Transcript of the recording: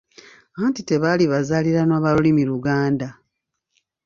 Anti tebaali bazaaliranwa ba lulimi Luganda.